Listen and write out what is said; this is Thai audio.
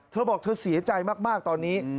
เธอบอกเธอเสียใจมากตอนนี้